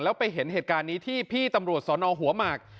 แล้วไปเห็นเหตุการณ์นี้ที่พี่ตำรวจสอนอหัวหมาก